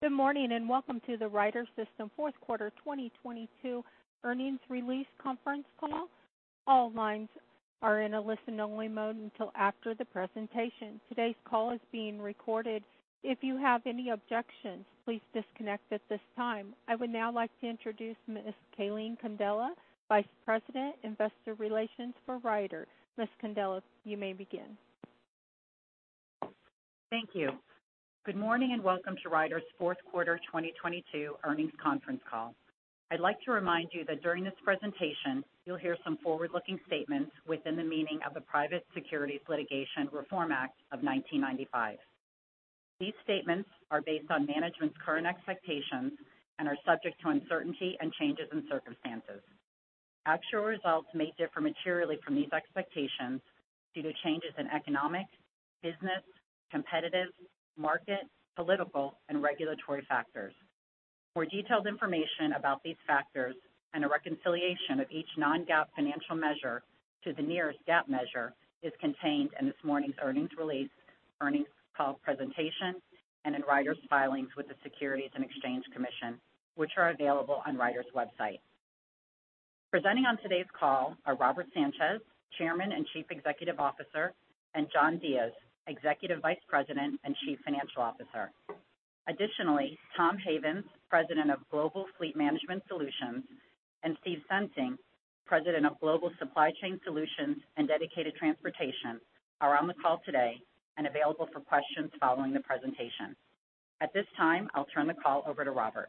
Good morning, and welcome to the Ryder System Fourth Quarter 2022 Earnings Release Conference Call. All lines are in a listen-only mode until after the presentation. Today's call is being recorded. If you have any objections, please disconnect at this time. I would now like to introduce Ms. Calene Candela, Vice President, Investor Relations for Ryder. Ms. Candela, you may begin. Thank you. Good morning, welcome to Ryder's fourth quarter 2022 earnings conference call. I'd like to remind you that during this presentation, you'll hear some forward-looking statements within the meaning of the Private Securities Litigation Reform Act of 1995. These statements are based on management's current expectations and are subject to uncertainty and changes in circumstances. Actual results may differ materially from these expectations due to changes in economic, business, competitive, market, political, and regulatory factors. More detailed information about these factors and a reconciliation of each non-GAAP financial measure to the nearest GAAP measure is contained in this morning's earnings release, earnings call presentation, and in Ryder's filings with the Securities and Exchange Commission, which are available on Ryder's website. Presenting on today's call are Robert Sanchez, Chairman and Chief Executive Officer, and John Diez, Executive Vice President and Chief Financial Officer. Additionally, Tom Havens, President of Global Fleet Management Solutions, and Steve Sensing, President of Global Supply Chain Solutions and Dedicated Transportation, are on the call today and available for questions following the presentation. At this time, I'll turn the call over to Robert.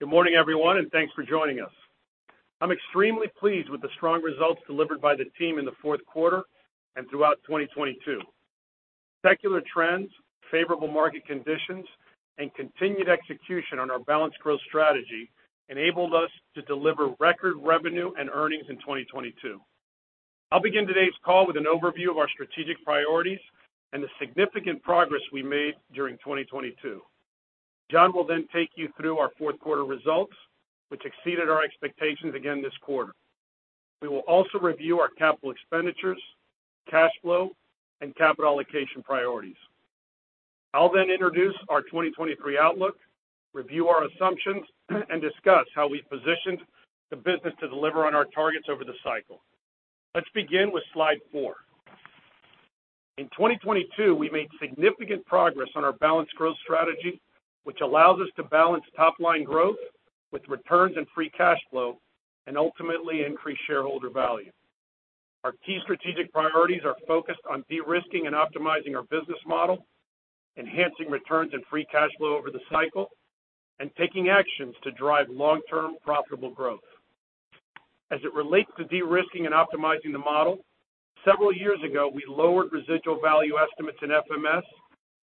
Good morning, everyone. Thanks for joining us. I'm extremely pleased with the strong results delivered by the team in the fourth quarter and throughout 2022. Secular trends, favorable market conditions, and continued execution on our balanced growth strategy enabled us to deliver record revenue and earnings in 2022. I'll begin today's call with an overview of our strategic priorities and the significant progress we made during 2022. John will take you through our fourth quarter results, which exceeded our expectations again this quarter. We will also review our capital expenditures, cash flow, and capital allocation priorities. I'll introduce our 2023 outlook, review our assumptions, and discuss how we positioned the business to deliver on our targets over the cycle. Let's begin with slide four. In 2022, we made significant progress on our balanced growth strategy, which allows us to balance top-line growth with returns and free cash flow and ultimately increase shareholder value. Our key strategic priorities are focused on de-risking and optimizing our business model, enhancing returns and free cash flow over the cycle, and taking actions to drive long-term profitable growth. As it relates to de-risking and optimizing the model, several years ago, we lowered residual value estimates in FMS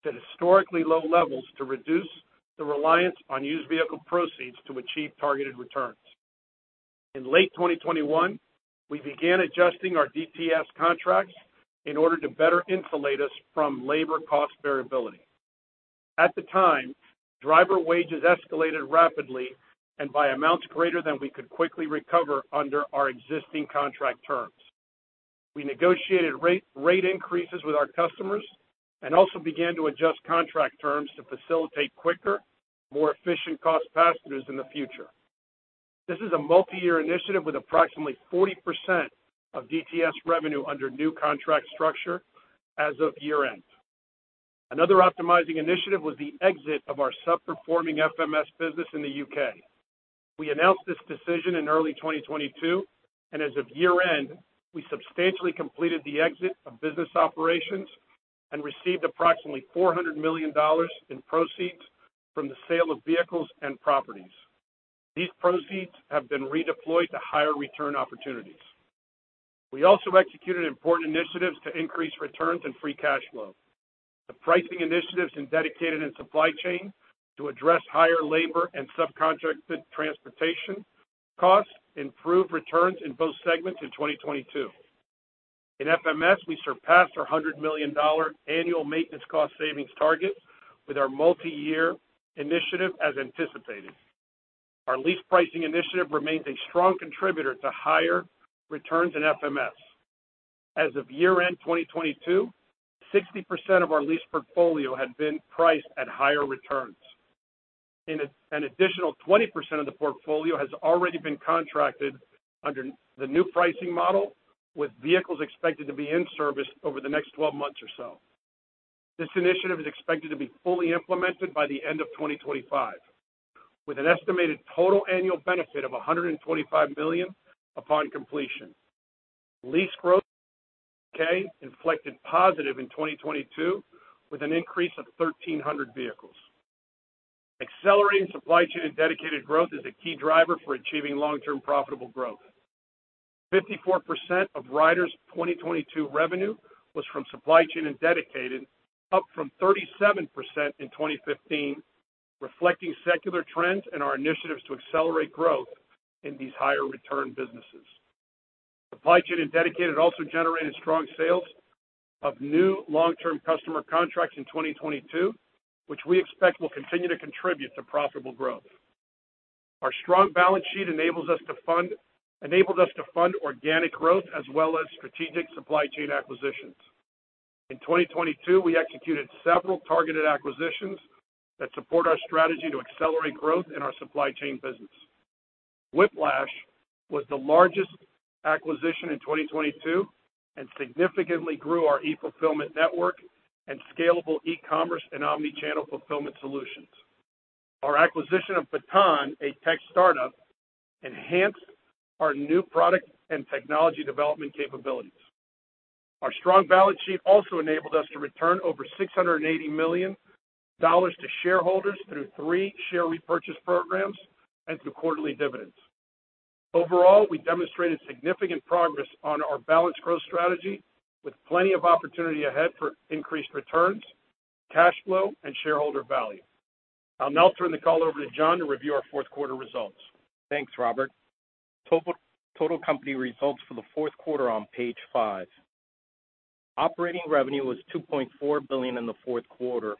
to historically low levels to reduce the reliance on used vehicle proceeds to achieve targeted returns. In late 2021, we began adjusting our DTS contracts in order to better insulate us from labor cost variability. At the time, driver wages escalated rapidly and by amounts greater than we could quickly recover under our existing contract terms. We negotiated rate increases with our customers and also began to adjust contract terms to facilitate quicker, more efficient cost passes in the future. This is a multiyear initiative with approximately 40% of DTS revenue under new contract structure as of year-end. Another optimizing initiative was the exit of our sub-performing FMS business in the U.K. We announced this decision in early 2022, and as of year-end, we substantially completed the exit of business operations and received approximately $400 million in proceeds from the sale of vehicles and properties. These proceeds have been redeployed to higher return opportunities. We also executed important initiatives to increase returns and free cash flow. The pricing initiatives in Dedicated and Supply Chain to address higher labor and subcontracted transportation costs improved returns in both segments in 2022. In FMS, we surpassed our $100 million annual maintenance cost savings target with our multiyear initiative as anticipated. Our lease pricing initiative remains a strong contributor to higher returns in FMS. As of year-end 2022, 60% of our lease portfolio had been priced at higher returns. An additional 20% of the portfolio has already been contracted under the new pricing model with vehicles expected to be in service over the next 12 months or so. This initiative is expected to be fully implemented by the end of 2025, with an estimated total annual benefit of $125 million upon completion. Lease growth in the UK inflected positive in 2022, with an increase of 1,300 vehicles. Accelerating Supply Chain and Dedicated growth is a key driver for achieving long-term profitable growth. 54% of Ryder's 2022 revenue was from supply chain and dedicated, up from 37% in 2015, reflecting secular trends and our initiatives to accelerate growth in these higher return businesses. Supply chain and dedicated also generated strong sales of new long-term customer contracts in 2022, which we expect will continue to contribute to profitable growth. Our strong balance sheet enables us to fund organic growth as well as strategic supply chain acquisitions. In 2022, we executed several targeted acquisitions that support our strategy to accelerate growth in our supply chain business. Whiplash was the largest acquisition in 2022 and significantly grew our e-fulfillment network and scalable e-commerce and omni-channel fulfillment solutions. Our acquisition of Baton, a tech startup, enhanced our new product and technology development capabilities. Our strong balance sheet also enabled us to return over $680 million to shareholders through three share repurchase programs and through quarterly dividends. Overall, we demonstrated significant progress on our balanced growth strategy with plenty of opportunity ahead for increased returns, cash flow, and shareholder value. I'll now turn the call over to John to review our fourth quarter results. Thanks, Robert. Total company results for the fourth quarter on page five. Operating revenue was $2.4 billion in the fourth quarter,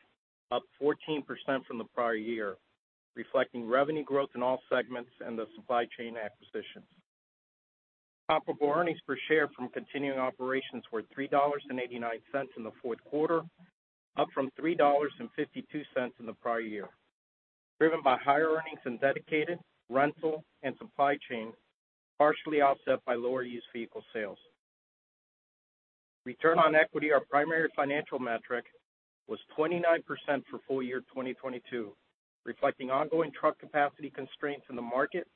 up 14% from the prior year, reflecting revenue growth in all segments and the supply chain acquisitions. Comparable earnings per share from continuing operations were $3.89 in the fourth quarter, up from $3.52 in the prior year, driven by higher earnings in dedicated, rental, and supply chain, partially offset by lower used vehicle sales. Return on equity, our primary financial metric, was 29% for full year 2022, reflecting ongoing truck capacity constraints in the market,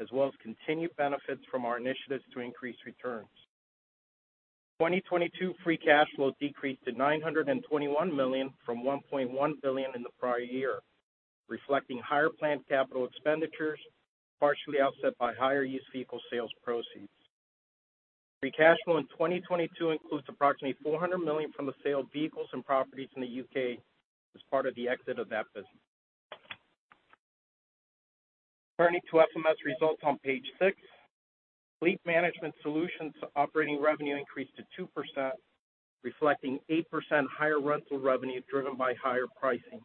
as well as continued benefits from our initiatives to increase returns. 2022 free cash flow decreased to $921 million from $1.1 billion in the prior year, reflecting higher planned capital expenditures, partially offset by higher used vehicle sales proceeds. Free cash flow in 2022 includes approximately $400 million from the sale of vehicles and properties in the U.K. as part of the exit of that business. Turning to FMS results on page six. Fleet Management Solutions operating revenue increased to 2%, reflecting 8% higher rental revenue driven by higher pricing.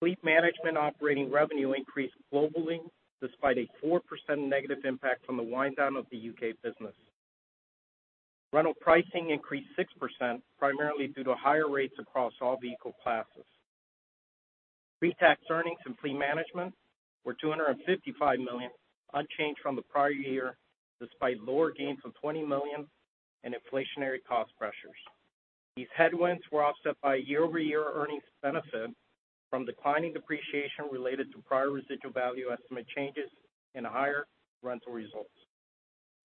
Fleet Management operating revenue increased globally despite a 4% negative impact from the wind down of the UK business. Rental pricing increased 6%, primarily due to higher rates across all vehicle classes. Pre-tax earnings in Fleet Management were $255 million, unchanged from the prior year, despite lower gains of $20 million and inflationary cost pressures. These headwinds were offset by year-over-year earnings benefit from declining depreciation related to prior residual value estimate changes and higher rental results.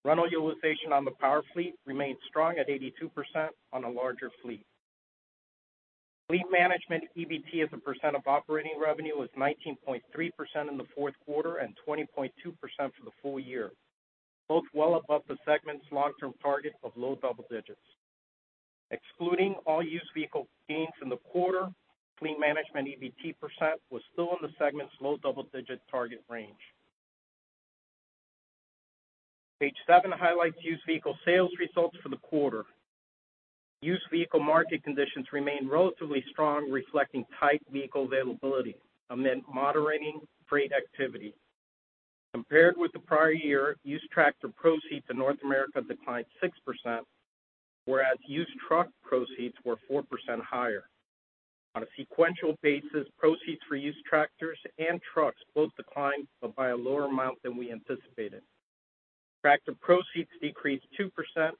Rental utilization on the power fleet remained strong at 82% on a larger fleet. Fleet Management EBT as a % of operating revenue was 19.3% in the fourth quarter and 20.2% for the full year, both well above the segment's long-term target of low double digits. Excluding all used vehicle gains in the quarter, Fleet Management EBT % was still in the segment's low double-digit target range. Page seven highlights used vehicle sales results for the quarter. Used vehicle market conditions remained relatively strong, reflecting tight vehicle availability amid moderating freight activity. Compared with the prior year, used tractor proceeds in North America declined 6%, whereas used truck proceeds were 4% higher. On a sequential basis, proceeds for used tractors and trucks both declined, but by a lower amount than we anticipated. Tractor proceeds decreased 2%,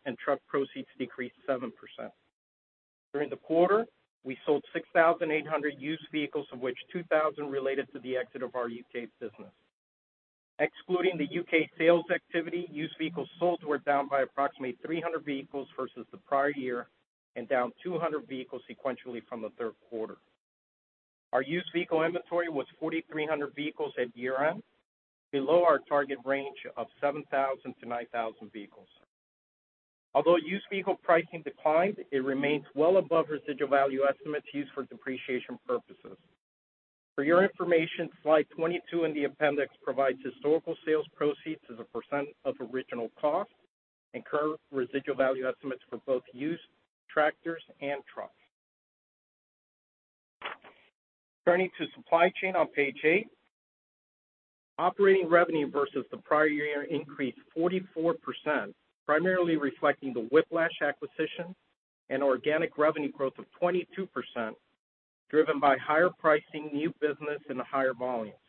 and truck proceeds decreased 7%. During the quarter, we sold 6,800 used vehicles, of which 2,000 related to the exit of our UK business. Excluding the UK sales activity, used vehicles sold were down by approximately 300 vehicles versus the prior year and down 200 vehicles sequentially from the third quarter. Our used vehicle inventory was 4,300 vehicles at year-end, below our target range of 7,000-9,000 vehicles. Although used vehicle pricing declined, it remains well above residual value estimates used for depreciation purposes. For your information, slide 22 in the appendix provides historical sales proceeds as a percent of original cost and current residual value estimates for both used tractors and trucks. Turning to Supply Chain on page eight. Operating revenue versus the prior year increased 44%, primarily reflecting the Whiplash acquisition and organic revenue growth of 22%, driven by higher pricing, new business, and higher volumes.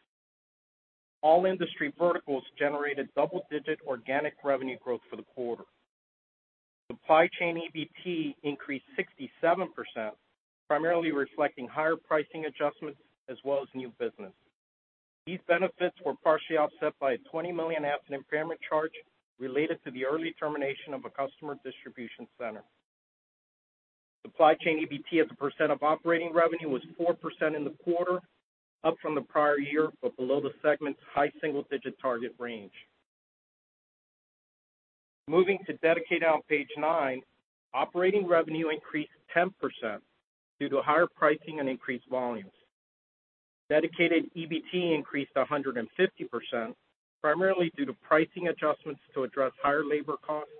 All industry verticals generated double-digit organic revenue growth for the quarter. Supply Chain EBT increased 67%, primarily reflecting higher pricing adjustments as well as new business. These benefits were partially offset by a $20 million asset impairment charge related to the early termination of a customer distribution center. Supply Chain EBT as a percent of operating revenue was 4% in the quarter, up from the prior year but below the segment's high single-digit target range. Moving to Dedicated on page nine. Operating revenue increased 10% due to higher pricing and increased volumes. Dedicated EBT increased 150%, primarily due to pricing adjustments to address higher labor costs,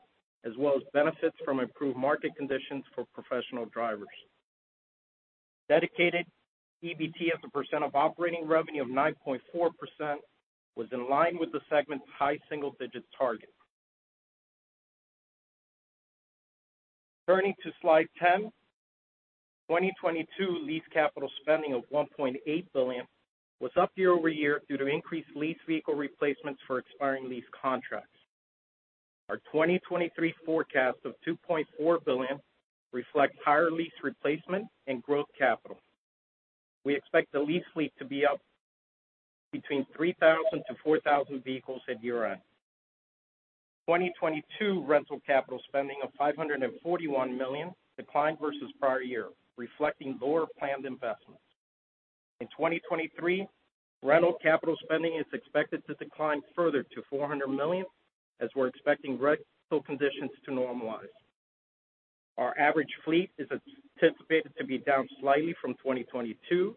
as well as benefits from improved market conditions for professional drivers. Dedicated EBT as a percent of operating revenue of 9.4% was in line with the segment's high single-digit target. Turning to slide 10. 2022 lease capital spending of $1.8 billion was up year-over-year due to increased lease vehicle replacements for expiring lease contracts. Our 2023 forecast of $2.4 billion reflects higher lease replacement and growth capital. We expect the lease fleet to be up between 3,000-4,000 vehicles at year-end. 2022 rental capital spending of $541 million declined versus prior year, reflecting lower planned investments. In 2023, rental capital spending is expected to decline further to $400 million, as we're expecting rental conditions to normalize. Our average fleet is anticipated to be down slightly from 2022,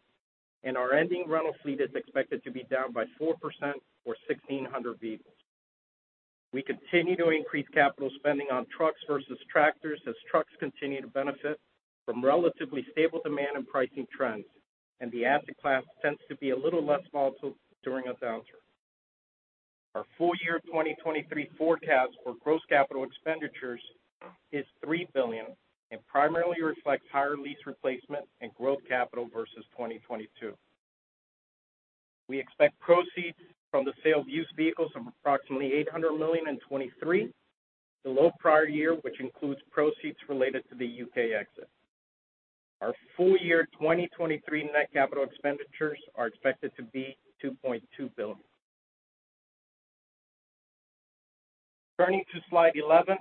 and our ending rental fleet is expected to be down by 4% or 1,600 vehicles. We continue to increase capital spending on trucks versus tractors as trucks continue to benefit from relatively stable demand and pricing trends, and the asset class tends to be a little less volatile during a downturn. Our full year 2023 forecast for gross capital expenditures is $3 billion and primarily reflects higher lease replacement and growth capital versus 2022. We expect proceeds from the sale of used vehicles of approximately $800 million in 2023, below prior year, which includes proceeds related to the UK exit. Our full year 2023 net capital expenditures are expected to be $2.2 billion. Turning to slide 11.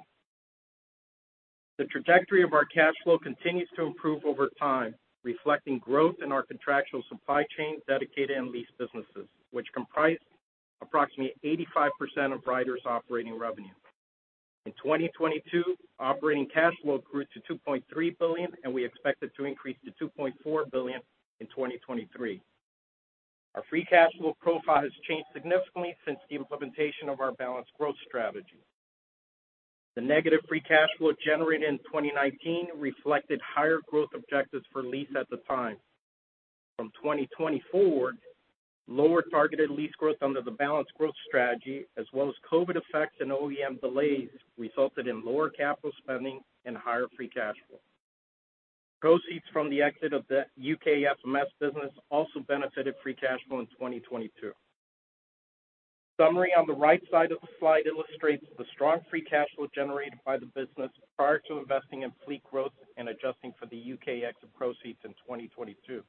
The trajectory of our cash flow continues to improve over time, reflecting growth in our contractual supply chain, dedicated, and lease businesses, which comprise approximately 85% of Ryder's operating revenue. In 2022, operating cash flow grew to $2.3 billion, and we expect it to increase to $2.4 billion in 2023. Our free cash flow profile has changed significantly since the implementation of our balanced growth strategy. The negative free cash flow generated in 2019 reflected higher growth objectives for lease at the time. From 2020 forward, lower targeted lease growth under the balanced growth strategy as well as COVID effects and OEM delays resulted in lower capital spending and higher free cash flow. Proceeds from the exit of the UK FMS business also benefited free cash flow in 2022. Summary on the right side of the slide illustrates the strong free cash flow generated by the business prior to investing in fleet growth and adjusting for the UK exit proceeds in 2022.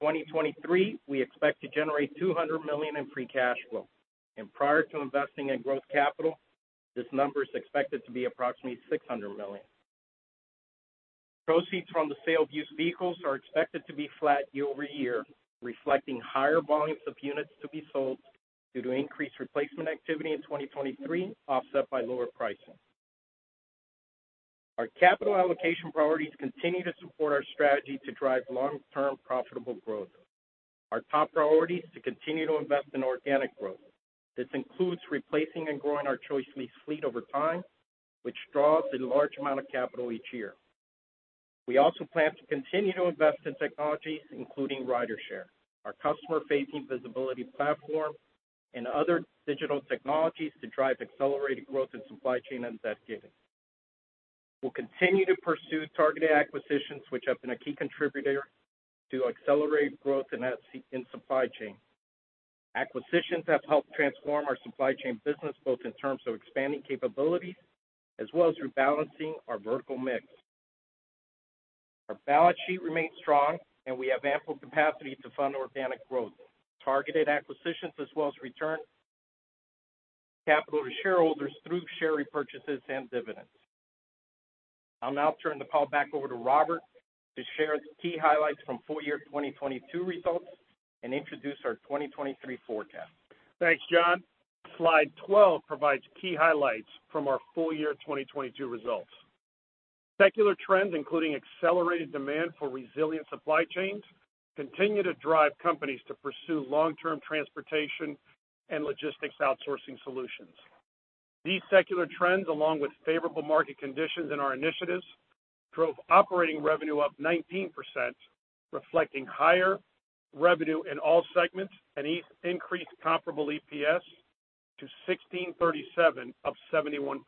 In 2023, we expect to generate $200 million in free cash flow. Prior to investing in growth capital, this number is expected to be approximately $600 million. Proceeds from the sale of used vehicles are expected to be flat year-over-year, reflecting higher volumes of units to be sold due to increased replacement activity in 2023, offset by lower pricing. Our capital allocation priorities continue to support our strategy to drive long-term profitable growth. Our top priority is to continue to invest in organic growth. This includes replacing and growing our ChoiceLease fleet over time, which draws a large amount of capital each year. We also plan to continue to invest in technologies, including RyderShare, our customer-facing visibility platform, and other digital technologies to drive accelerated growth in Supply Chain and Dedicated. We'll continue to pursue targeted acquisitions, which have been a key contributor to accelerated growth in Supply Chain. Acquisitions have helped transform our Supply Chain business, both in terms of expanding capabilities as well as rebalancing our vertical mix. Our balance sheet remains strong. We have ample capacity to fund organic growth, targeted acquisitions, as well as return capital to shareholders through share repurchases and dividends. I'll now turn the call back over to Robert to share the key highlights from full year 2022 results and introduce our 2023 forecast. Thanks, John. Slide 12 provides key highlights from our full year 2022 results. Secular trends, including accelerated demand for resilient supply chains, continue to drive companies to pursue long-term transportation and logistics outsourcing solutions. These secular trends, along with favorable market conditions and our initiatives, drove operating revenue up 19%, reflecting higher revenue in all segments and increased comparable EPS to $16.37, up 71%.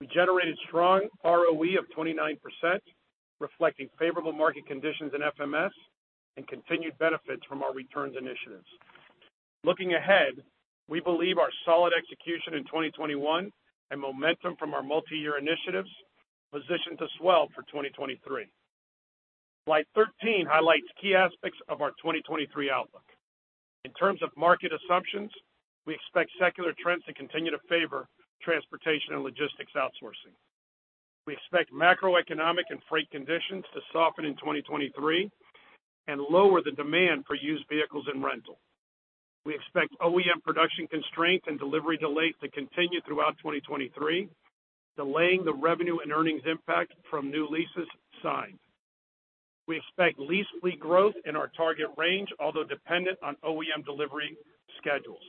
We generated strong ROE of 29%, reflecting favorable market conditions in FMS and continued benefits from our returns initiatives. Looking ahead, we believe our solid execution in 2021 and momentum from our multi-year initiatives position to swell for 2023. Slide 13 highlights key aspects of our 2023 outlook. In terms of market assumptions, we expect secular trends to continue to favor transportation and logistics outsourcing. We expect macroeconomic and freight conditions to soften in 2023 and lower the demand for used vehicles and rental. We expect OEM production constraint and delivery delays to continue throughout 2023, delaying the revenue and earnings impact from new leases signed. We expect lease fleet growth in our target range, although dependent on OEM delivery schedules.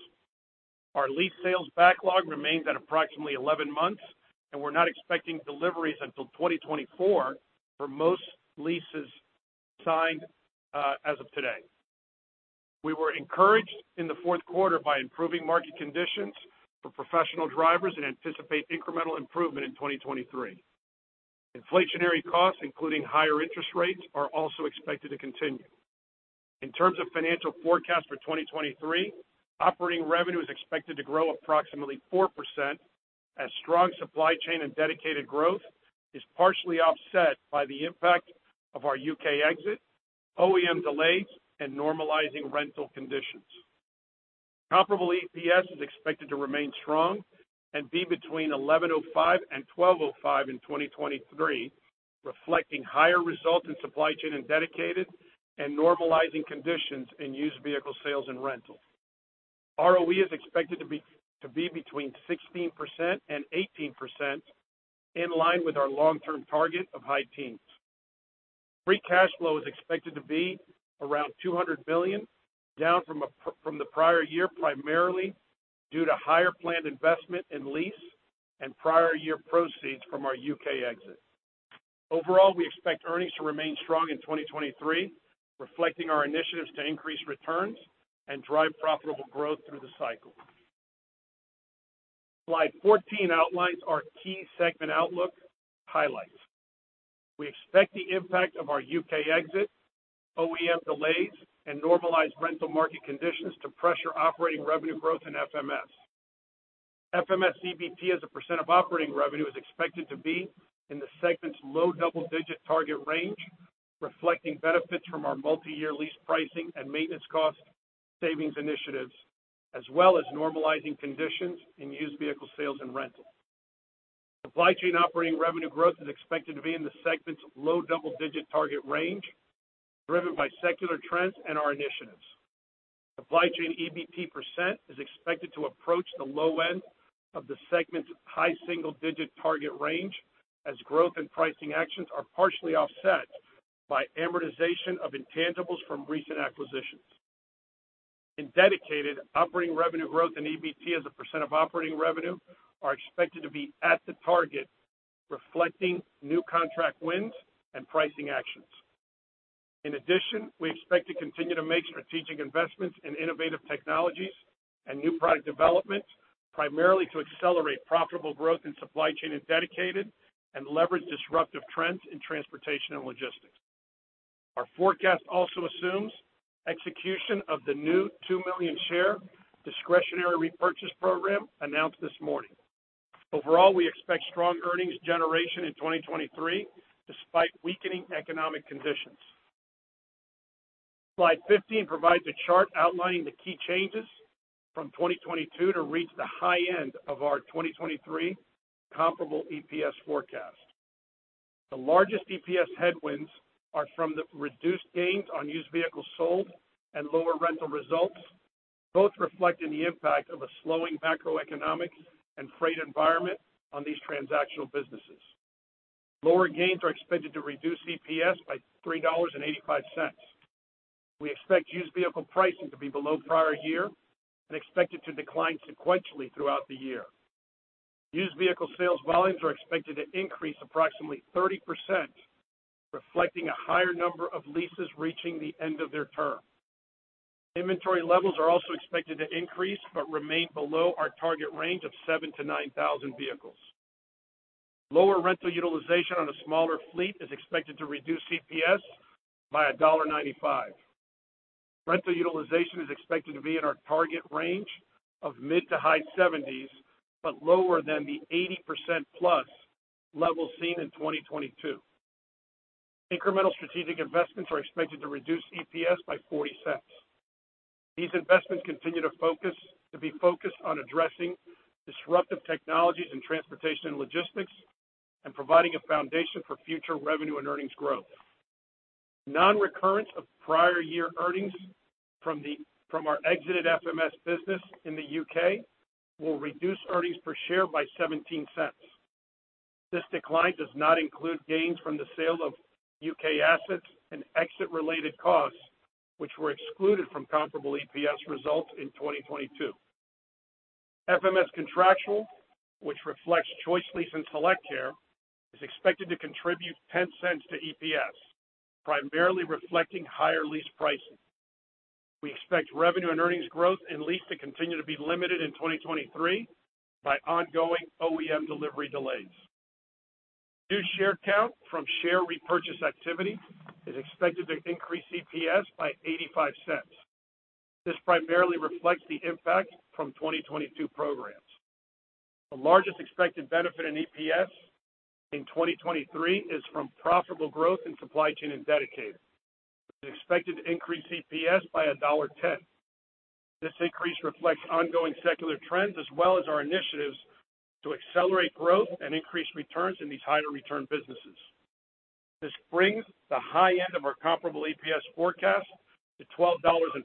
Our lease sales backlog remains at approximately 11 months, and we're not expecting deliveries until 2024 for most leases signed as of today. We were encouraged in the fourth quarter by improving market conditions for professional drivers and anticipate incremental improvement in 2023. Inflationary costs, including higher interest rates, are also expected to continue. In terms of financial forecast for 2023, operating revenue is expected to grow approximately 4% as strong supply chain and dedicated growth is partially offset by the impact of our UK exit, OEM delays, and normalizing rental conditions. Comparable EPS is expected to remain strong and be between $11.05 and $12.05 in 2023, reflecting higher results in supply chain and dedicated and normalizing conditions in used vehicle sales and rentals. ROE is expected to be between 16% and 18%, in line with our long-term target of high teens. Free cash flow is expected to be around $200 billion, down from the prior year, primarily due to higher planned investment in lease and prior year proceeds from our UK exit. Overall, we expect earnings to remain strong in 2023, reflecting our initiatives to increase returns and drive profitable growth through the cycle. Slide 14 outlines our key segment outlook highlights. We expect the impact of our UK exit, OEM delays, and normalized rental market conditions to pressure operating revenue growth in FMS. FMS EBT as a % of operating revenue is expected to be in the segment's low double-digit target range, reflecting benefits from our multiyear lease pricing and maintenance cost savings initiatives, as well as normalizing conditions in used vehicle sales and rentals. Supply Chain operating revenue growth is expected to be in the segment's low double-digit target range, driven by secular trends and our initiatives. Supply Chain EBT % is expected to approach the low end of the segment's high single-digit target range as growth and pricing actions are partially offset by amortization of intangibles from recent acquisitions. In Dedicated, operating revenue growth and EBT as a % of operating revenue are expected to be at the target, reflecting new contract wins and pricing actions. In addition, we expect to continue to make strategic investments in innovative technologies and new product development, primarily to accelerate profitable growth in Supply Chain and Dedicated and leverage disruptive trends in transportation and logistics. Our forecast also assumes execution of the new 2 million share discretionary repurchase program announced this morning. Overall, we expect strong earnings generation in 2023 despite weakening economic conditions. Slide 15 provides a chart outlining the key changes from 2022 to reach the high end of our 2023 comparable EPS forecast. The largest EPS headwinds are from the reduced gains on used vehicles sold and lower rental results, both reflecting the impact of a slowing macroeconomic and freight environment on these transactional businesses. Lower gains are expected to reduce EPS by $3.85. We expect used vehicle pricing to be below prior year and expect it to decline sequentially throughout the year. Used vehicle sales volumes are expected to increase approximately 30%, reflecting a higher number of leases reaching the end of their term. Inventory levels are also expected to increase but remain below our target range of 7,000-9,000 vehicles. Lower rental utilization on a smaller fleet is expected to reduce EPS by $1.95. Rental utilization is expected to be in our target range of mid-to-high 70s, but lower than the 80%+ levels seen in 2022. Incremental strategic investments are expected to reduce EPS by $0.40. These investments continue to be focused on addressing disruptive technologies in transportation and logistics and providing a foundation for future revenue and earnings growth. Non-recurrence of prior year earnings from our exited FMS business in the U.K. will reduce earnings per share by $0.17. This decline does not include gains from the sale of UK assets and exit-related costs, which were excluded from comparable EPS results in 2022. FMS Contractual, which reflects ChoiceLease and SelectCare, is expected to contribute $0.10 to EPS, primarily reflecting higher lease pricing. We expect revenue and earnings growth in lease to continue to be limited in 2023 by ongoing OEM delivery delays. New share count from share repurchase activity is expected to increase EPS by $0.85. This primarily reflects the impact from 2022 programs. The largest expected benefit in EPS in 2023 is from profitable growth in Supply Chain and Dedicated. It's expected to increase EPS by $1.10. This increase reflects ongoing secular trends as well as our initiatives to accelerate growth and increase returns in these higher return businesses. This brings the high end of our comparable EPS forecast to $12.05,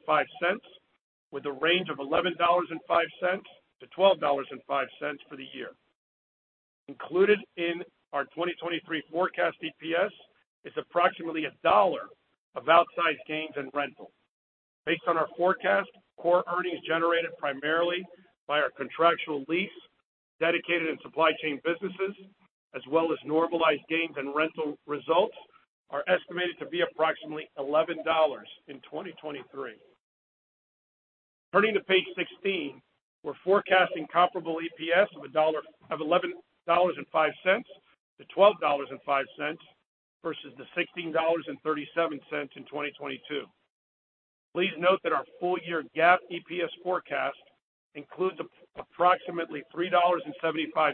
with a range of $11.05-$12.05 for the year. Included in our 2023 forecast EPS is approximately $1 of outsized gains and rentals. Based on our forecast, core earnings generated primarily by our contractual lease, Dedicated and Supply Chain businesses, as well as normalized gains and rental results, are estimated to be approximately $11 in 2023. Turning to page 16, we're forecasting comparable EPS of $11.05-$12.05 versus the $16.37 in 2022. Please note that our full year GAAP EPS forecast includes approximately $3.75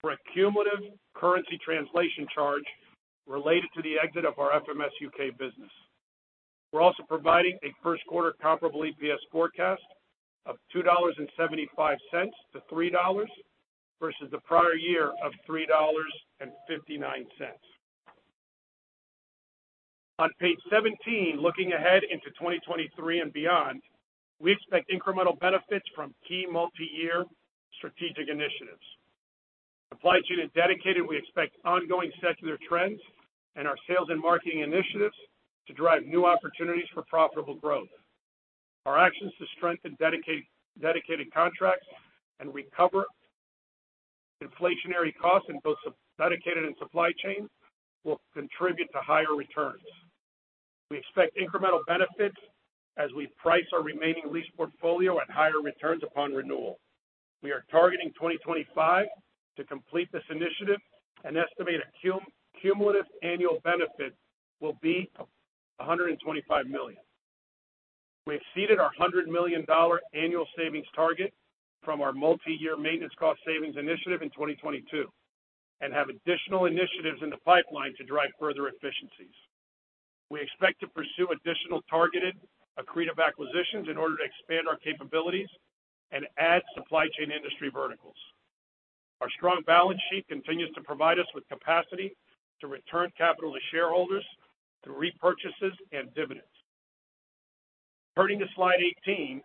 for a cumulative currency translation charge related to the exit of our FMS UK business. We're also providing a first quarter comparable EPS forecast of $2.75-$3.00 versus the prior year of $3.59. On page 17, looking ahead into 2023 and beyond, we expect incremental benefits from key multi-year strategic initiatives. Supply Chain and Dedicated, we expect ongoing secular trends and our sales and marketing initiatives to drive new opportunities for profitable growth. Our actions to strengthen dedicated contracts and recover inflationary costs in both dedicated and Supply Chain will contribute to higher returns. We expect incremental benefits as we price our remaining lease portfolio at higher returns upon renewal. We are targeting 2025 to complete this initiative and estimate a cumulative annual benefit will be $125 million. We exceeded our $100 million annual savings target from our multi-year maintenance cost savings initiative in 2022. We have additional initiatives in the pipeline to drive further efficiencies. We expect to pursue additional targeted accretive acquisitions in order to expand our capabilities and add Supply Chain industry verticals. Our strong balance sheet continues to provide us with capacity to return capital to shareholders through repurchases and dividends. Turning to slide 18,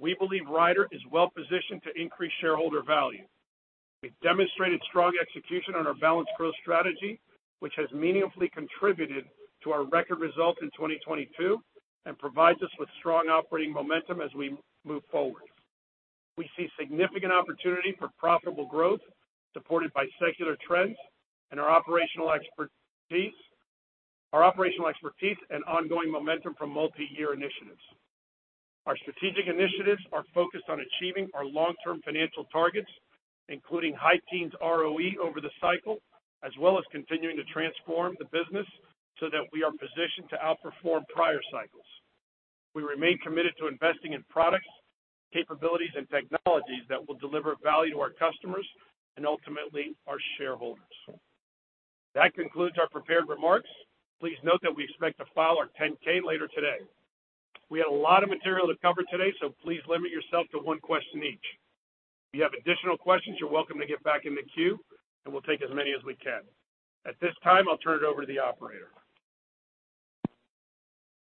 we believe Ryder is well-positioned to increase shareholder value. We've demonstrated strong execution on our balanced growth strategy, which has meaningfully contributed to our record result in 2022 and provides us with strong operating momentum as we move forward. We see significant opportunity for profitable growth supported by secular trends and our operational expertise and ongoing momentum from multi-year initiatives. Our strategic initiatives are focused on achieving our long-term financial targets, including high teens ROE over the cycle, as well as continuing to transform the business so that we are positioned to outperform prior cycles. We remain committed to investing in products, capabilities, and technologies that will deliver value to our customers and ultimately our shareholders. That concludes our prepared remarks. Please note that we expect to file our 10-K later today. We had a lot of material to cover today, so please limit yourself to one question each. If you have additional questions, you're welcome to get back in the queue. We'll take as many as we can. At this time, I'll turn it over to the operator.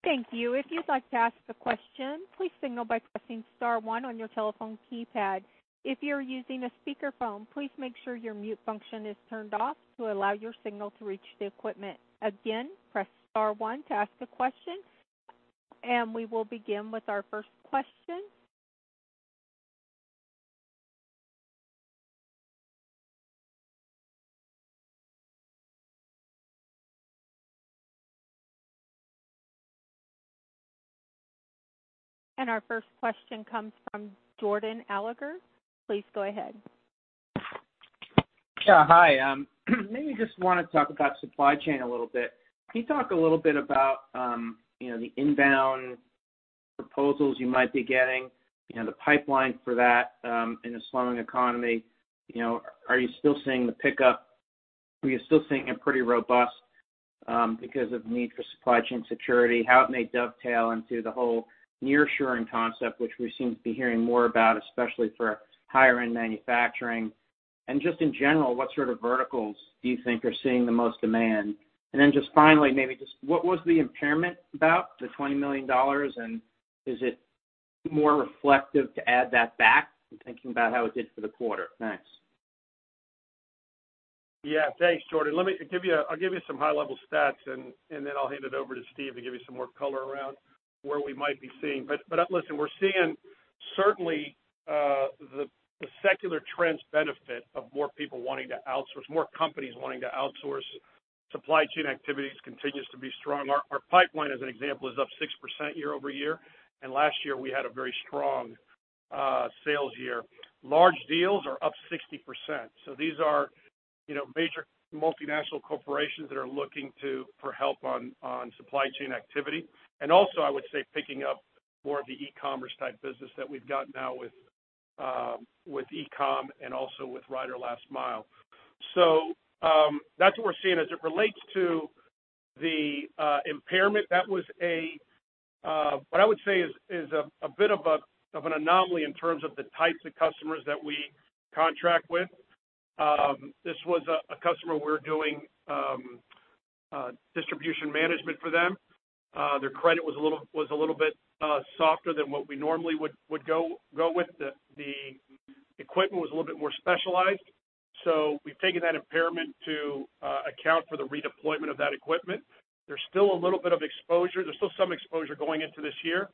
Thank you. If you'd like to ask a question, please signal by pressing star one on your telephone keypad. If you're using a speakerphone, please make sure your mute function is turned off to allow your signal to reach the equipment. Again, press star one to ask a question, we will begin with our first question. Our first question comes from Jordan Alliger. Please go ahead. Yeah, hi. maybe just wanna talk about supply chain a little bit. Can you talk a little bit about, you know, the inbound proposals you might be getting, you know, the pipeline for that, in a slowing economy? You know, are you still seeing the pickup? Are you still seeing it pretty robust, because of need for supply chain security? How it may dovetail into the whole nearshoring concept, which we seem to be hearing more about, especially for higher end manufacturing. Just in general, what sort of verticals do you think are seeing the most demand? Then just finally, maybe just what was the impairment about, the $20 million? Is it more reflective to add that back in thinking about how it did for the quarter? Thanks. Thanks, Jordan. I'll give you some high-level stats, and then I'll hand it over to Steve to give you some more color around where we might be seeing. Listen, we're seeing certainly the secular trends benefit of more people wanting to outsource, more companies wanting to outsource supply chain activities continues to be strong. Our pipeline, as an example, is up 6% year over year, and last year we had a very strong sales year. Large deals are up 60%. These are, you know, major multinational corporations that are looking for help on supply chain activity. Also, I would say, picking up more of the e-commerce type business that we've got now with e-com and also with Ryder Last Mile. That's what we're seeing. As it relates to the impairment, that was a what I would say is a bit of an anomaly in terms of the types of customers that we contract with. This was a customer we're doing distribution management for them. Their credit was a little bit softer than what we normally would go with. The equipment was a little bit more specialized, so we've taken that impairment to account for the redeployment of that equipment. There's still a little bit of exposure. There's still some exposure going into this year,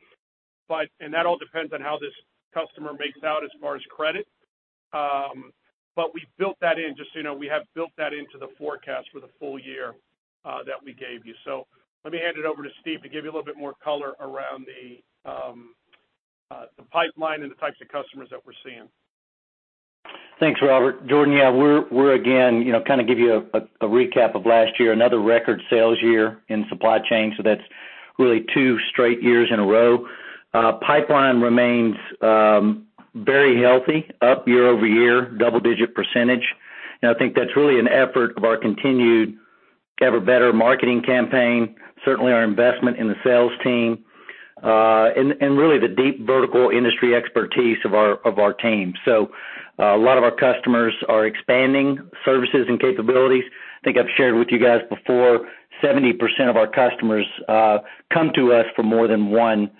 that all depends on how this customer makes out as far as credit. We built that in, just so you know, we have built that into the forecast for the full year that we gave you. Let me hand it over to Steve to give you a little bit more color around the pipeline and the types of customers that we're seeing. Thanks, Robert. Jordan, yeah, we're again, you know, kind of give you a recap of last year, another record sales year in Supply Chain, that's really two straight years in a row. Pipeline remains very healthy, up year-over-year, double-digit %. I think that's really an effort of our continued to have a better marketing campaign, certainly our investment in the sales team, and really the deep vertical industry expertise of our team. A lot of our customers are expanding services and capabilities. I think I've shared with you guys before, 70% of our customers come to us for more than one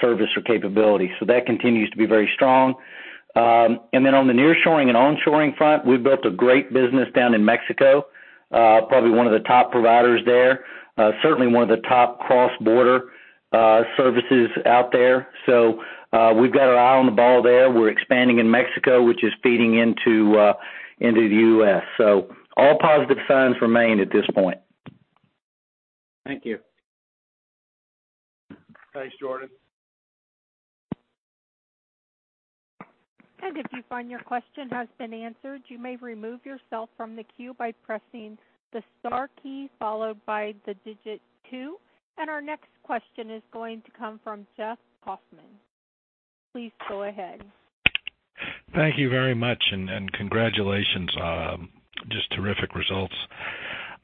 service or capability. That continues to be very strong. On the nearshoring and onshoring front, we've built a great business down in Mexico, probably one of the top providers there, certainly one of the top cross-border services out there. We've got our eye on the ball there. We're expanding in Mexico, which is feeding into the U.S. All positive signs remain at this point. Thank you. Thanks, Jordan. If you find your question has been answered, you may remove yourself from the queue by pressing the star key followed by the two. Our next question is going to come from Jeff Kauffman. Please go ahead. Thank you very much and congratulations, just terrific results.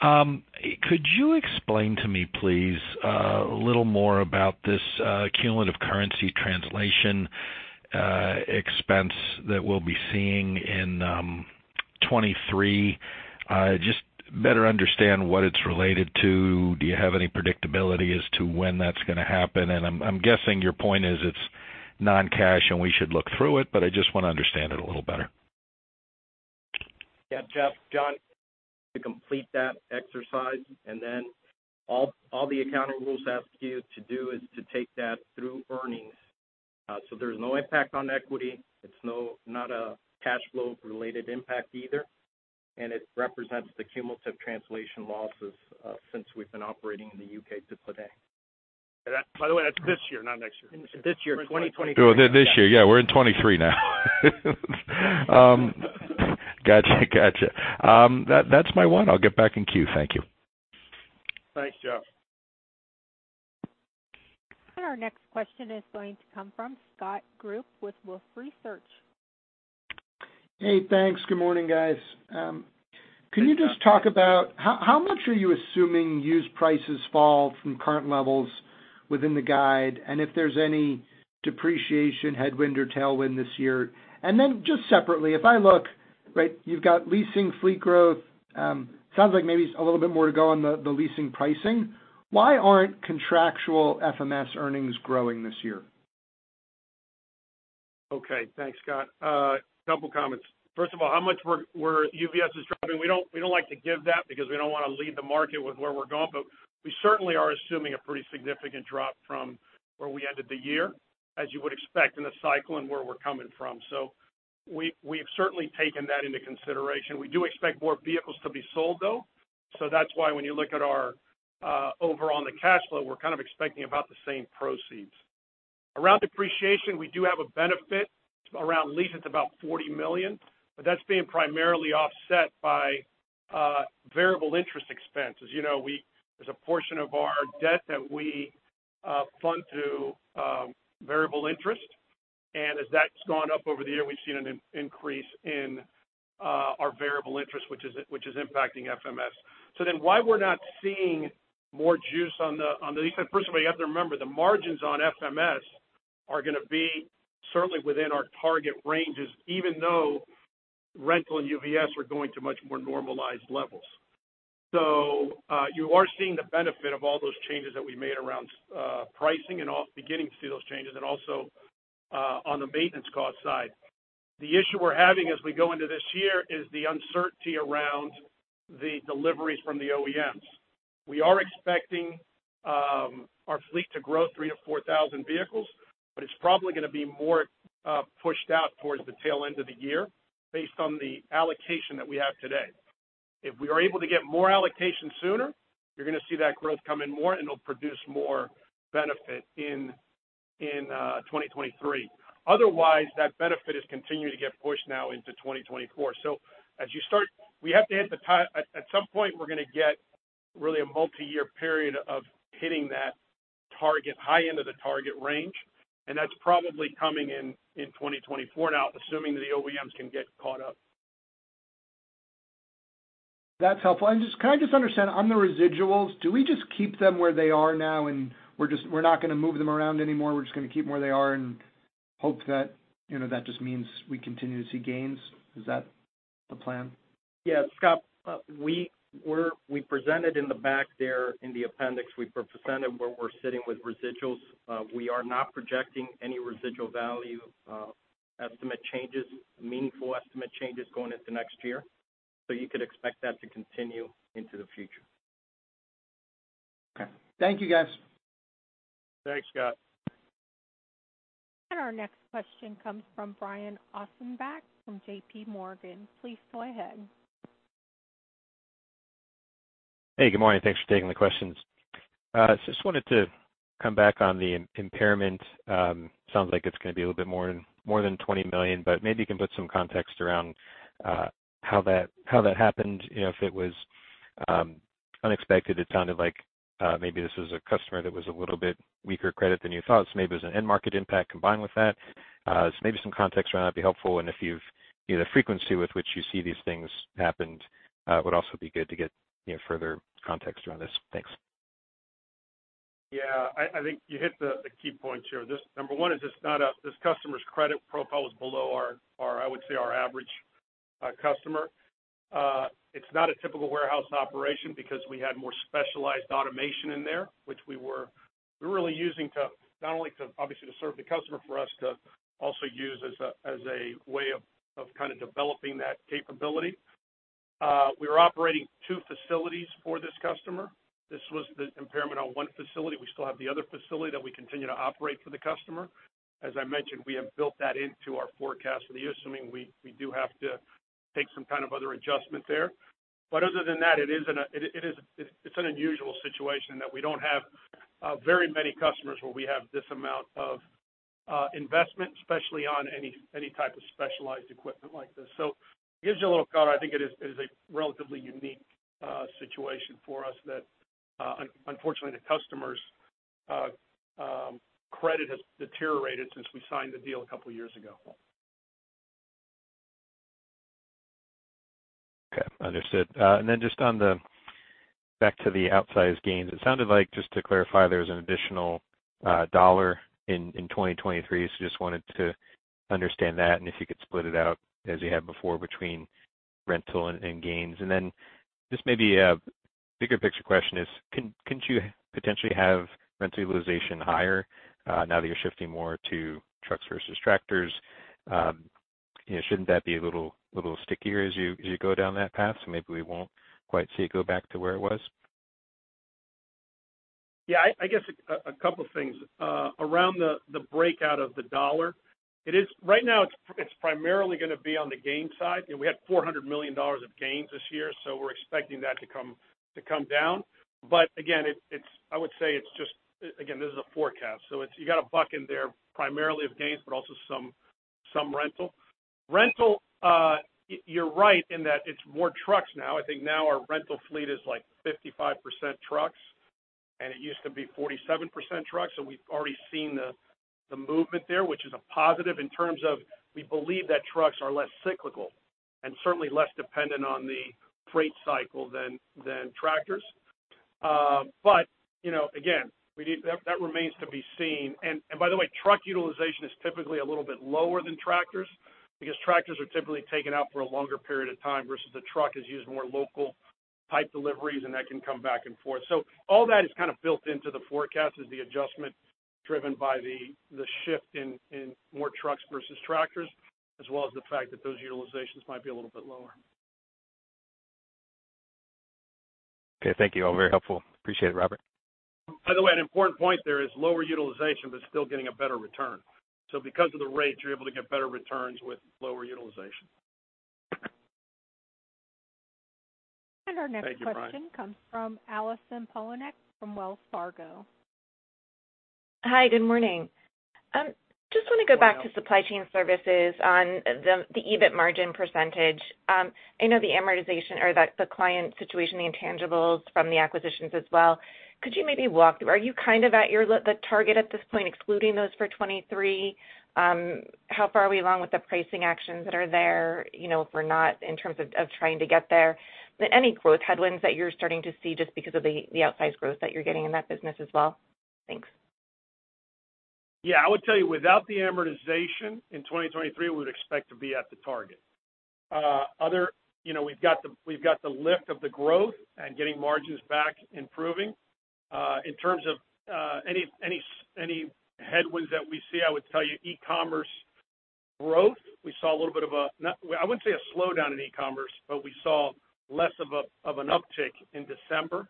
Could you explain to me, please, a little more about this cumulative currency translation expense that we'll be seeing in 2023? Just better understand what it's related to. Do you have any predictability as to when that's gonna happen? I'm guessing your point is it's non-cash and we should look through it, but I just want to understand it a little better. Yeah. Jeff, John, to complete that exercise, all the accounting rules ask you to do is to take that through earnings. So there's no impact on equity. It's not a cash flow related impact either. It represents the cumulative translation losses, since we've been operating in the U.K. to today. That, by the way, that's this year, not next year. This year, 2023. This year. Yeah, we're in 2023 now. Gotcha. That's my one. I'll get back in queue. Thank you. Thanks, Jeff. Our next question is going to come from Scott Group with Wolfe Research. Hey, thanks. Good morning, guys. Can you just talk about how much are you assuming used prices fall from current levels within the guide? If there's any depreciation headwind or tailwind this year? Just separately, if I look, right, you've got leasing fleet growth. Sounds like maybe a little bit more to go on the leasing pricing. Why aren't contractual FMS earnings growing this year? Okay. Thanks, Scott. A couple of comments. First of all, how much we're UVS is dropping. We don't like to give that because we don't want to lead the market with where we're going, but we certainly are assuming a pretty significant drop from where we ended the year, as you would expect in a cycle and where we're coming from. We've certainly taken that into consideration. We do expect more vehicles to be sold, though. That's why when you look at our overall on the cash flow, we're kind of expecting about the same proceeds. Around depreciation, we do have a benefit. Around lease, it's about $40 million, but that's being primarily offset by variable interest expense. As you know, there's a portion of our debt that we fund to variable interest. As that's gone up over the year, we've seen an increase in our variable interest, which is impacting FMS. Why we're not seeing more juice first of all, you have to remember, the margins on FMS are gonna be certainly within our target ranges, even though rental and UVS are going to much more normalized levels. You are seeing the benefit of all those changes that we made around pricing and all beginning to see those changes and also on the maintenance cost side. The issue we're having as we go into this year is the uncertainty around the deliveries from the OEMs. We are expecting our fleet to grow 3,000-4,000 vehicles, it's probably gonna be more pushed out towards the tail end of the year based on the allocation that we have today. If we are able to get more allocation sooner, you're gonna see that growth come in more and it'll produce more benefit in 2023. Otherwise, that benefit is continuing to get pushed now into 2024. As you start, we have to hit at some point, we're gonna get really a multi-year period of hitting that target, high end of the target range, and that's probably coming in in 2024. Assuming that the OEMs can get caught up. That's helpful. Just can I just understand on the residuals, do we just keep them where they are now and we're not gonna move them around anymore, we're just gonna keep where they are? Hope that, you know, that just means we continue to see gains. Is that the plan? Yeah, Scott, we presented in the back there in the appendix, we presented where we're sitting with residuals. We are not projecting any residual value, estimate changes, meaningful estimate changes going into next year. You could expect that to continue into the future. Okay. Thank you, guys. Thanks, Scott. Our next question comes from Brian Ossenbeck from JPMorgan. Please go ahead. Hey, good morning. Thanks for taking the questions. Just wanted to come back on the impairment. Sounds like it's gonna be a little bit more than $20 million, but maybe you can put some context around how that happened. You know, if it was unexpected. It sounded like maybe this was a customer that was a little bit weaker credit than you thought, so maybe it was an end market impact combined with that. Maybe some context around that'd be helpful. If the frequency with which you see these things happened would also be good to get, you know, further context around this. Thanks. Yeah, I think you hit the key points here. This customer's credit profile was below our, I would say, our average customer. it's not a typical warehouse operation because we had more specialized automation in there, which we were really using to not only, obviously, to serve the customer, for us to also use as a way of kind of developing that capability. We were operating two facilities for this customer. This was the impairment on one facility. We still have the other facility that we continue to operate for the customer. As I mentioned, we have built that into our forecast for the year, assuming we do have to take some kind of other adjustment there. Other than that, it's an unusual situation that we don't have very many customers where we have this amount of investment, especially on any type of specialized equipment like this. It gives you a little color. I think it is a relatively unique situation for us that unfortunately, the customer's credit has deteriorated since we signed the deal a couple years ago. Understood. And then just back to the outsized gains, it sounded like, just to clarify, there was an additional $1 in 2023. Just wanted to understand that and if you could split it out as you have before between rental and gains. Just maybe a bigger picture question is can you potentially have rental utilization higher now that you're shifting more to trucks versus tractors? You know, shouldn't that be a little stickier as you go down that path? Maybe we won't quite see it go back to where it was. Yeah, I guess a couple things. Around the breakout of the dollar. Right now it's primarily gonna be on the gain side. You know, we had $400 million of gains this year, we're expecting that to come down. Again, I would say it's just, again, this is a forecast, so it's, you got a buck in there primarily of gains, but also some rental. Rental, you're right in that it's more trucks now. I think now our rental fleet is, like, 55% trucks, and it used to be 47% trucks. We've already seen the movement there, which is a positive in terms of we believe that trucks are less cyclical and certainly less dependent on the freight cycle than tractors. You know, again, that remains to be seen. By the way, truck utilization is typically a little bit lower than tractors because tractors are typically taken out for a longer period of time versus the truck is used more local type deliveries, and that can come back and forth. All that is kind of built into the forecast as the adjustment driven by the shift in more trucks versus tractors, as well as the fact that those utilizations might be a little bit lower. Okay, thank you. All very helpful. Appreciate it, Robert. By the way, an important point there is lower utilization, but still getting a better return. Because of the rates, you're able to get better returns with lower utilization. Our next question. Thank you, Brian.... comes from Allison Poliniak from Wells Fargo. Hi. Good morning. Just wanna go back to Supply Chain Solutions on the EBIT margin percentage. I know the amortization or the client situation, the intangibles from the acquisitions as well. Could you maybe walk through, are you kind of at your the target at this point, excluding those for 2023? How far are we along with the pricing actions that are there, you know, if we're not in terms of trying to get there? Any growth headwinds that you're starting to see just because of the outsized growth that you're getting in that business as well? Thanks. Yeah, I would tell you without the amortization in 2023, we would expect to be at the target. Other, you know, we've got the lift of the growth and getting margins back improving. In terms of any headwinds that we see, I would tell you e-commerce growth, we saw a little bit of not I wouldn't say a slowdown in e-commerce, but we saw less of a, of an uptick in December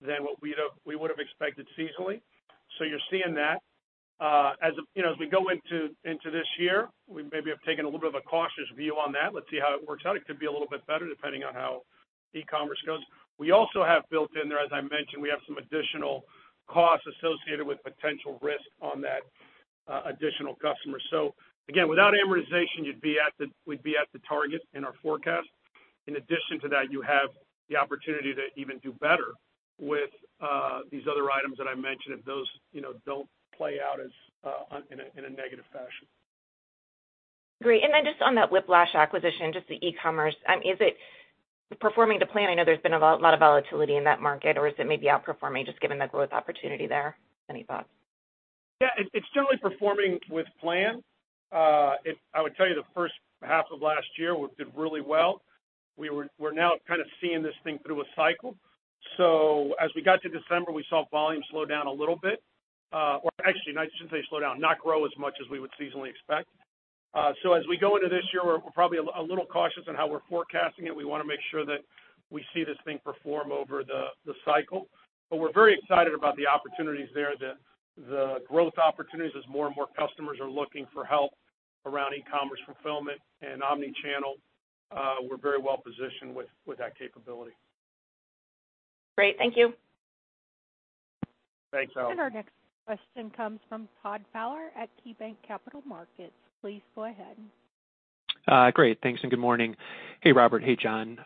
than what we would have expected seasonally. You're seeing that. As, you know, as we go into this year, we maybe have taken a little bit of a cautious view on that. Let's see how it works out. It could be a little bit better depending on how e-commerce goes. We also have built in there, as I mentioned, we have some additional costs associated with potential risk on that, additional customer. Again, without amortization, we'd be at the target in our forecast. In addition to that, you have the opportunity to even do better with, these other items that I mentioned if those, you know, don't play out as in a negative fashion. Great. Just on that Whiplash acquisition, just the e-commerce, is it performing to plan? I know there's been a lot of volatility in that market, or is it maybe outperforming just given the growth opportunity there? Any thoughts? It's, it's generally performing with plan. I would tell you the first half of last year did really well. We're now kind of seeing this thing through a cycle. As we got to December, we saw volume slow down a little bit. Or actually, no, I shouldn't say slow down, not grow as much as we would seasonally expect. As we go into this year, we're probably a little cautious on how we're forecasting it. We wanna make sure that we see this thing perform over the cycle. We're very excited about the opportunities there, the growth opportunities as more and more customers are looking for help around e-commerce fulfillment and omni-channel. We're very well positioned with that capability. Great. Thank you. Thanks, Ally. Our next question comes from Todd Fowler at KeyBanc Capital Markets. Please go ahead. Great. Thanks. Good morning. Hey, Robert. Hey, John.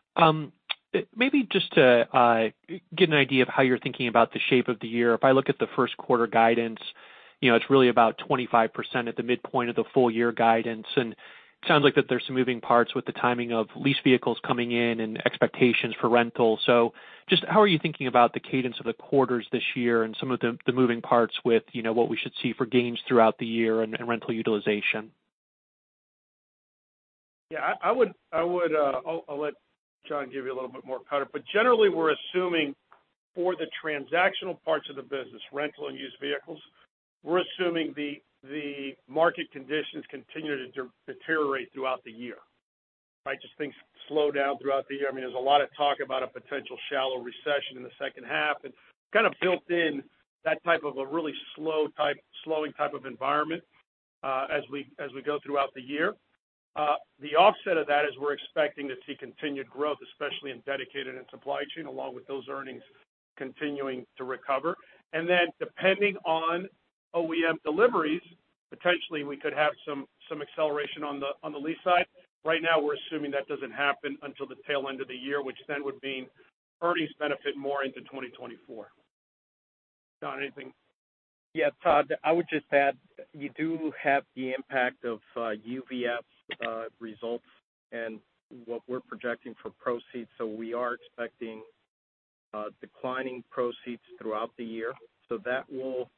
Maybe just to get an idea of how you're thinking about the shape of the year. If I look at the first quarter guidance, you know, it's really about 25% at the midpoint of the full year guidance. It sounds like that there's some moving parts with the timing of lease vehicles coming in and expectations for rental. Just how are you thinking about the cadence of the quarters this year and some of the moving parts with, you know, what we should see for gains throughout the year and rental utilization? Yeah. I would I'll let John give you a little bit more color. Generally, we're assuming for the transactional parts of the business, rental and used vehicles, we're assuming the market conditions continue to deteriorate throughout the year, right? Just things slow down throughout the year. I mean, there's a lot of talk about a potential shallow recession in the second half, kind of built in that type of a really slowing type of environment as we go throughout the year. The offset of that is we're expecting to see continued growth, especially in dedicated and supply chain, along with those earnings continuing to recover. Depending on OEM deliveries, potentially we could have some acceleration on the lease side. Right now, we're assuming that doesn't happen until the tail end of the year, which then would mean earnings benefit more into 2024. John, anything? Yeah, Todd. I would just add, we do have the impact of UVS results and what we're projecting for proceeds, we are expecting declining proceeds throughout the year. That will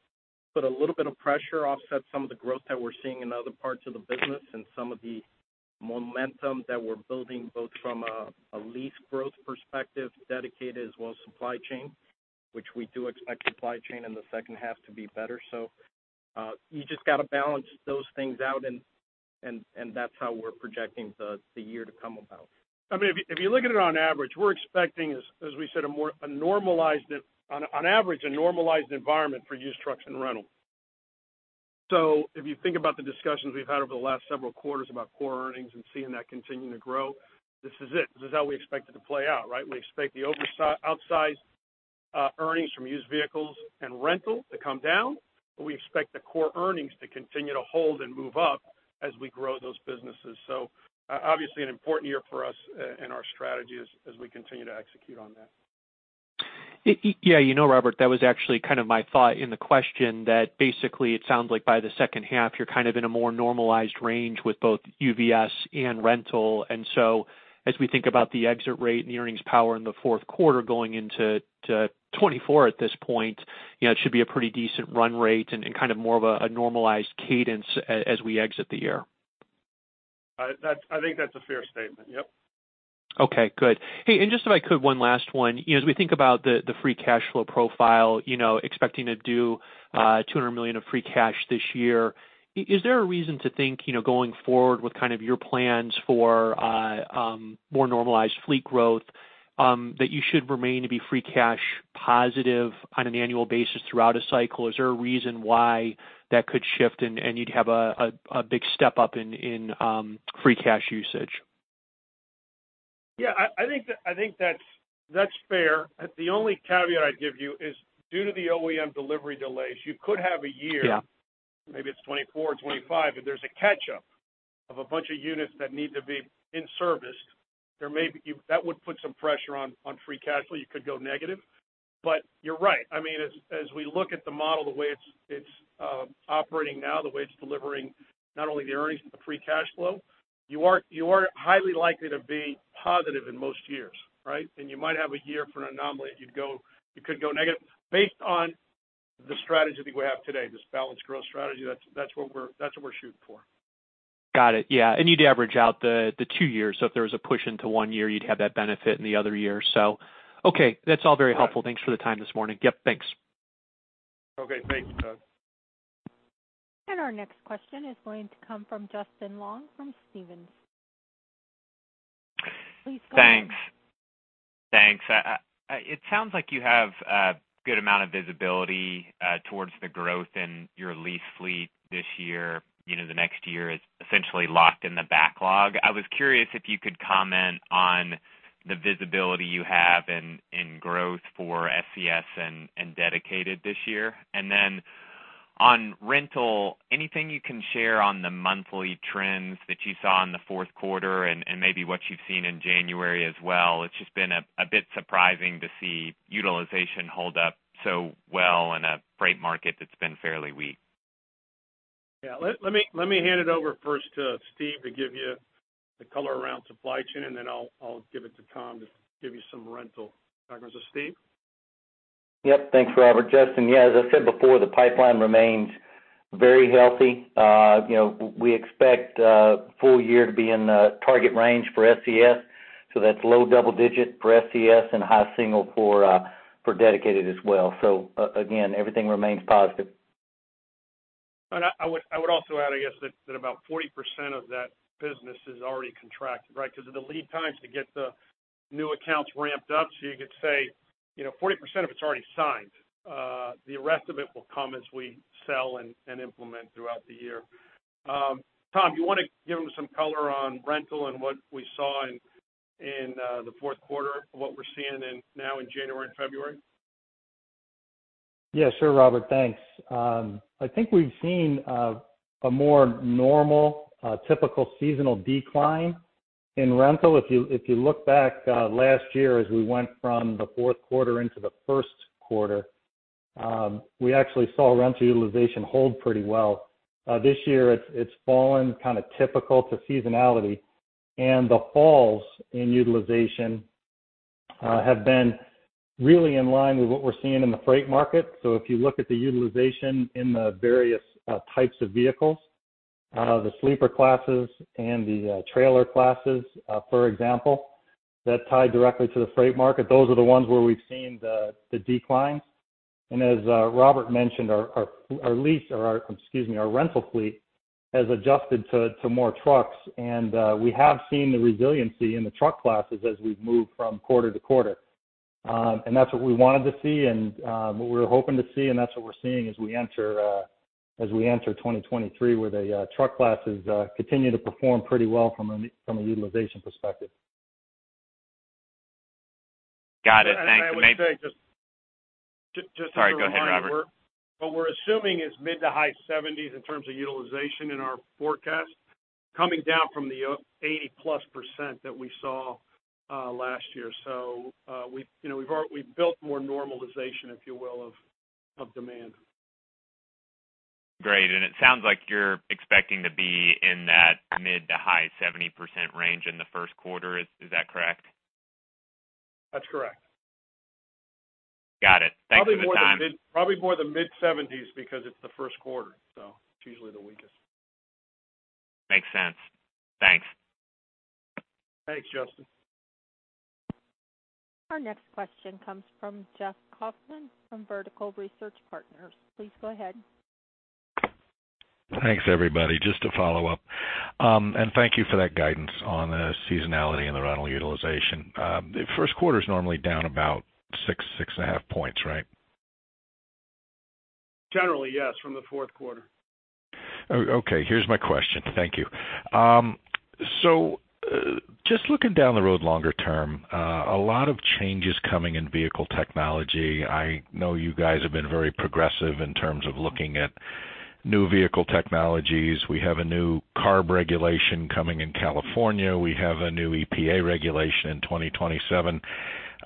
put a little bit of pressure, offset some of the growth that we're seeing in other parts of the business and some of the momentum that we're building both from a lease growth perspective, dedicated, as well as supply chain, which we do expect supply chain in the second half to be better. You just gotta balance those things out and that's how we're projecting the year to come about. I mean, if you look at it on average, we're expecting, as we said, a normalized environment for used trucks and rental. If you think about the discussions we've had over the last several quarters about core earnings and seeing that continuing to grow, this is it. This is how we expect it to play out, right? We expect the oversize, outsized earnings from used vehicles and rental to come down, but we expect the core earnings to continue to hold and move up as we grow those businesses. Obviously an important year for us and our strategy as we continue to execute on that. Yeah. You know, Robert, that was actually kind of my thought in the question, that basically it sounds like by the second half, you're kind of in a more normalized range with both UVS and rental. As we think about the exit rate and the earnings power in the fourth quarter going into 2024 at this point, you know, it should be a pretty decent run rate and kind of more of a normalized cadence as we exit the year. I think that's a fair statement. Yep. Okay. Good. Hey, just if I could, one last one. You know, as we think about the free cash flow profile, you know, expecting to do, $200 million of free cash this year, is there a reason to think, you know, going forward with kind of your plans for, more normalized fleet growth, that you should remain to be free cash positive on an annual basis throughout a cycle? Is there a reason why that could shift and you'd have a big step up in free cash usage? Yeah. I think that, I think that's fair. The only caveat I'd give you is due to the OEM delivery delays, you could have a year- Yeah... maybe it's 24 or 25, and there's a catch-up of a bunch of units that need to be in serviced. That would put some pressure on free cash flow. You could go negative. You're right. I mean, as we look at the model, the way it's operating now, the way it's delivering not only the earnings but the free cash flow, you are highly likely to be positive in most years, right? You might have a year for an anomaly that you could go negative. Based on the strategy I think we have today, this balanced growth strategy, that's what we're shooting for. Got it. Yeah. You'd average out the two years. If there was a push into one year, you'd have that benefit in the other year. Okay. That's all very helpful. Right. Thanks for the time this morning. Yep, thanks. Okay. Thanks, Todd. Our next question is going to come from Justin Long from Stephens. Please go ahead. Thanks. It sounds like you have a good amount of visibility towards the growth in your lease fleet this year. You know, the next year is essentially locked in the backlog. I was curious if you could comment on the visibility you have in growth for SCS and dedicated this year. On rental, anything you can share on the monthly trends that you saw in the fourth quarter and maybe what you've seen in January as well? It's just been a bit surprising to see utilization hold up so well in a freight market that's been fairly weak. Yeah. Let me hand it over first to Steve to give you the color around supply chain. I'll give it to Tom to give you some rental comments. Steve? Yep. Thanks, Robert. Justin, yeah, as I said before, the pipeline remains very healthy. You know, we expect full year to be in the target range for SCS. That's low double digit for SCS and high single for Dedicated as well. Again, everything remains positive. I would also add, I guess, that about 40% of that business is already contracted, right? Because of the lead times to get the new accounts ramped up. You could say, you know, 40% of it's already signed. The rest of it will come as we sell and implement throughout the year. Tom, you wanna give them some color on rental and what we saw in the fourth quarter and what we're seeing now in January and February? Yeah. Sure, Robert, thanks. I think we've seen a more normal, typical seasonal decline in rental. If you, if you look back, last year as we went from the fourth quarter into the first quarter, we actually saw rental utilization hold pretty well. This year, it's fallen kind of typical to seasonality, and the falls in utilization have been really in line with what we're seeing in the freight market. If you look at the utilization in the various, types of vehicles, the sleeper classes and the, trailer classes, for example, that tie directly to the freight market, those are the ones where we've seen the decline. As Robert mentioned, our lease or our… excuse me, our rental fleet has adjusted to more trucks, and we have seen the resiliency in the truck classes as we've moved from quarter to quarter. That's what we wanted to see and what we're hoping to see, and that's what we're seeing as we enter 2023, where the truck classes continue to perform pretty well from a utilization perspective. Got it. Thanks. I would say just as a reminder. Sorry. Go ahead, Robert. What we're assuming is mid-to-high 70s in terms of utilization in our forecast, coming down from the 80%+ that we saw last year. We've, you know, we've built more normalization, if you will, of demand. Great. It sounds like you're expecting to be in that mid to high 70% range in the first quarter. Is that correct? That's correct. Got it. Thanks for the time. Probably more the mid-70s because it's the first quarter. It's usually the weakest. Makes sense. Thanks. Thanks, Justin. Our next question comes from Jeff Kauffman from Vertical Research Partners. Please go ahead. Thanks, everybody. Just to follow up, thank you for that guidance on the seasonality and the rental utilization. The first quarter's normally down about 6.5 points, right? Generally, yes, from the fourth quarter. Okay, here's my question. Thank you. Just looking down the road longer term, a lot of changes coming in vehicle technology. I know you guys have been very progressive in terms of looking at new vehicle technologies. We have a new CARB regulation coming in California. We have a new EPA regulation in 2027.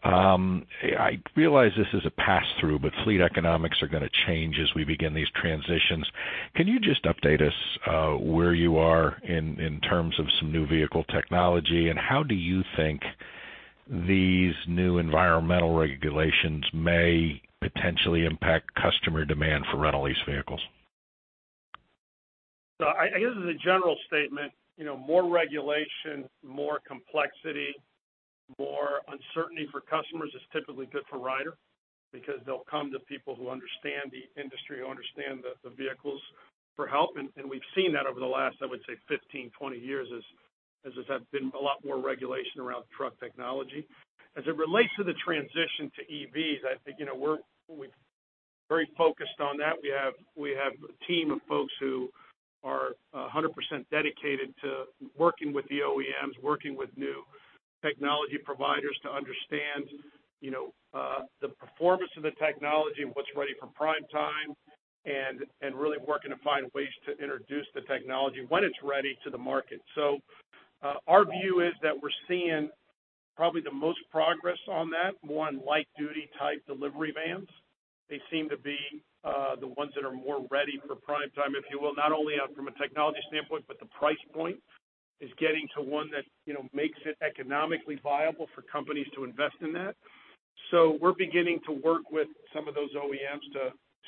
I realize this is a pass-through, but fleet economics are gonna change as we begin these transitions. Can you just update us, where you are in terms of some new vehicle technology, and how do you think these new environmental regulations may potentially impact customer demand for rental lease vehicles? I guess as a general statement, you know, more regulation, more complexity, more uncertainty for customers is typically good for Ryder because they'll come to people who understand the industry or understand the vehicles for help. We've seen that over the last, I would say 15, 20 years as there's been a lot more regulation around truck technology. As it relates to the transition to EVs, I think, you know, we're very focused on that. We have a team of folks who are 100% dedicated to working with the OEMs, working with new technology providers to understand, you know, the performance of the technology and what's ready for prime time and really working to find ways to introduce the technology when it's ready to the market. Our view is that we're seeing probably the most progress on that, more on light-duty type delivery vans. They seem to be the ones that are more ready for prime time, if you will, not only from a technology standpoint, but the price point is getting to one that, you know, makes it economically viable for companies to invest in that. We're beginning to work with some of those OEMs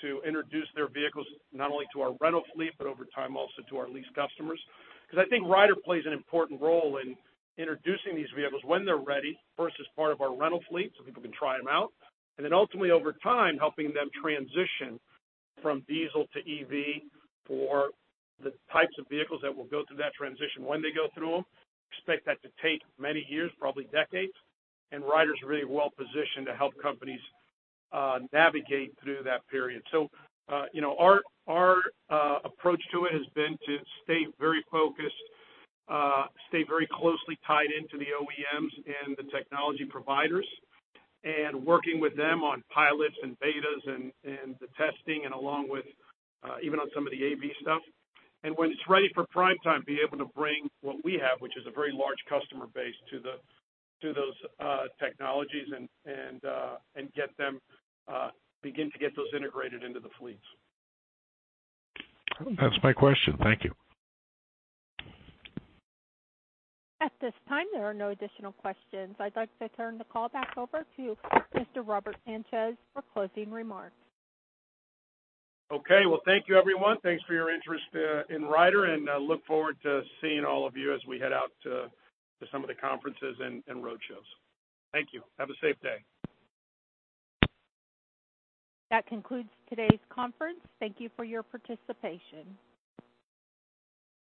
to introduce their vehicles not only to our rental fleet but over time, also to our lease customers. I think Ryder plays an important role in introducing these vehicles when they're ready, first as part of our rental fleet, so people can try them out. Ultimately, over time, helping them transition from diesel to EV for the types of vehicles that will go through that transition when they go through them. Expect that to take many years, probably decades. Ryder's really well positioned to help companies, navigate through that period. You know, our, approach to it has been to stay very focused, stay very closely tied into the OEMs and the technology providers, and working with them on pilots and betas and the testing and along with, even on some of the AV stuff. When it's ready for prime time, be able to bring what we have, which is a very large customer base, to the, to those, technologies and, get them, begin to get those integrated into the fleets. That's my question. Thank you. At this time, there are no additional questions. I'd like to turn the call back over to Mr. Robert Sanchez for closing remarks. Okay. Well, thank you, everyone. Thanks for your interest, in Ryder, and I look forward to seeing all of you as we head out to some of the conferences and roadshows. Thank you. Have a safe day. That concludes today's conference. Thank you for your participation.